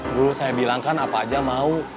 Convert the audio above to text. dulu saya bilangkan apa aja mau